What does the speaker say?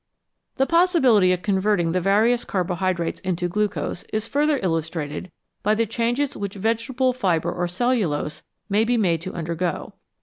The possibility of converting the various carbohydrates into glucose is further illustrated by the changes which vegetable fibre, or cellulose, may be made to undergo.